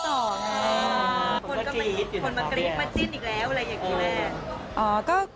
คนมันกรี๊ดคนมันกรี๊ดมาจิ้นอีกแล้วอะไรอย่างนี้แหละ